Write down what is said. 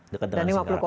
dekat dengan singkarak